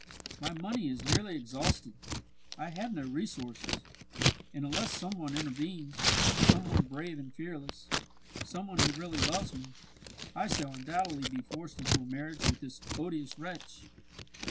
My money is nearly exhausted, I have no resources, and unless some one intervenes, some one brave and fearless, some one who really loves me, I shall undoubtedly be forced into a marriage with this odious wretch.